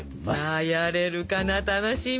さあやれるかな楽しみ！